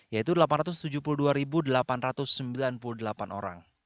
yaitu delapan ratus tujuh puluh dua delapan ratus sembilan puluh delapan orang